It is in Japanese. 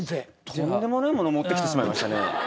とんでもないものを持ってきてしまいましたね。